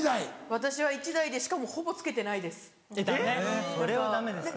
私は１台でしかもほぼつけてないです。